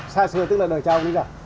xa xưa tức là đời trong đến giờ